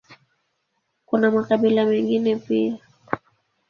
Kuna makabila mengine pia.